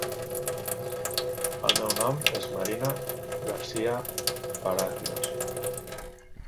El meu nom és Marina Garcia Palacios.